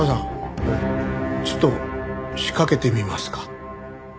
ちょっと仕掛けてみますか？